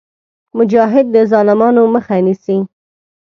مجاهد د ظالمانو مخه نیسي.